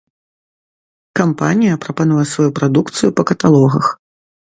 Кампанія прапануе сваю прадукцыю па каталогах.